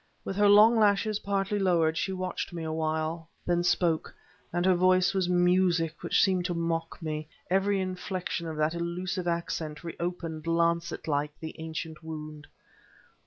With her long lashes partly lowered, she watched me awhile, then spoke; and her voice was music which seemed to mock me; every inflection of that elusive accent reopened, lancet like, the ancient wound.